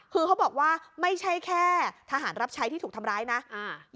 คือเขาบอกว่าไม่ใช่แค่ทหารรับใช้ที่ถูกทำร้ายนะอ่า